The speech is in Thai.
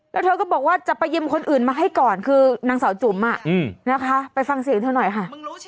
แล้วเธอก็บอกว่าจะไปยืมคนอื่นมาให้ก่อนคือนางสาวจุ๋มนะคะไปฟังเสียงเธอหน่อยค่ะ